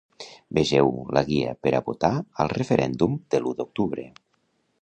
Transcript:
Vegeu: La guia per a votar al referèndum de l’u d’octubre.